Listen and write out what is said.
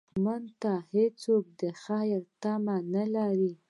دښمن ته هېڅوک د خیر تمه نه لري